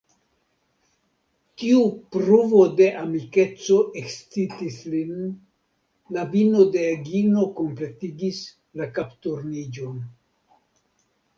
Tiu pruvo de amikeco ekscitis lin: la vino de Egino kompletigis la kapturniĝon.